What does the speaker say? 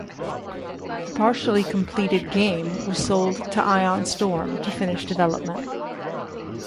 The partially completed game was sold to Ion Storm to finish development.